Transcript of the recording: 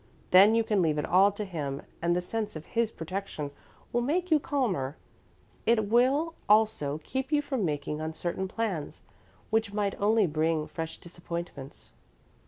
Then you can leave it all to Him, and the sense of His protection will make you calmer. It will also keep you from making uncertain plans, which might only bring fresh disappointments."